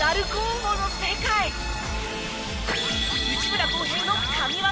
内村航平の神技